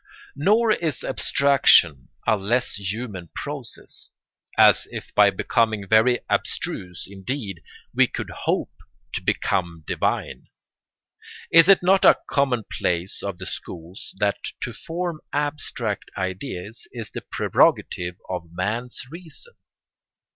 ] Nor is abstraction a less human process, as if by becoming very abstruse indeed we could hope to become divine. Is it not a commonplace of the schools that to form abstract ideas is the prerogative of man's reason?